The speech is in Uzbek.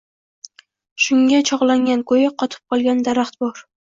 Shunga chog’langan ko’yi qotib qolgan daraxt bor.